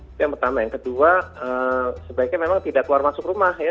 itu yang pertama yang kedua sebaiknya memang tidak keluar masuk rumah ya